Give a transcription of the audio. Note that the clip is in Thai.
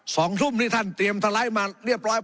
สองทุ่มนี่ท่านเตรียมสไลด์มาเรียบร้อย